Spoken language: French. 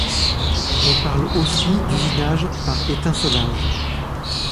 On parle aussi d'usinage par étincelage.